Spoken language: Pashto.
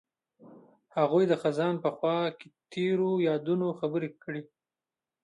هغوی د خزان په خوا کې تیرو یادونو خبرې کړې.